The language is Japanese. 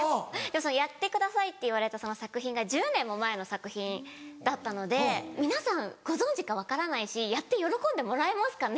そのやってくださいって言われたその作品が１０年も前の作品だったので皆さんご存じか分からないしやって喜んでもらえますかね？